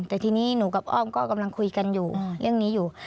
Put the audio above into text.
แต่ทีนี้หนูกับอ้อมก็กำลังคุยกันอยู่เรื่องนี้อยู่